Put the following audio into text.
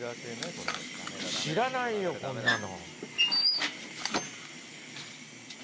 知らないよ、こんなの。